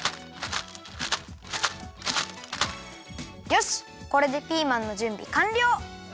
よしこれでピーマンのじゅんびかんりょう！